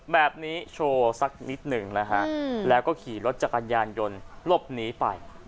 แบบนี้โชว์สักนิดหนึ่งนะฮะแล้วก็ขี่รถจักรยานยนต์หลบหนีไป